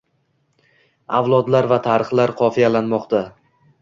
Avlodlar va tarixlar qofiyalanmoqda